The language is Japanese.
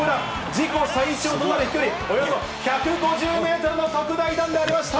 自己最長となる飛距離、およそ１５０メートルの特大弾でありました。